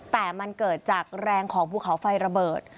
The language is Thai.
แต่มันเกิดจากแรงของภูเขาไฟระเบิด